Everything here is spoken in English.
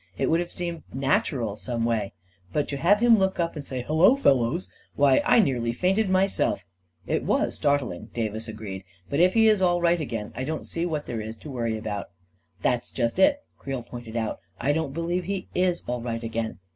It would have seemed natural, some way. But to have him look up and say, 4 Hullo, fellows 1 9 Why, I nearly fainted myself !" 44 It was startling," Davis agreed; u but if he is all right again, I don't see what there is to worry about." 44 That's just it," Creel pointed out; " I don't be lieve he is all right again.